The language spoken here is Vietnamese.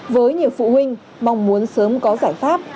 với nhiều phụ huynh mong muốn sớm có giải pháp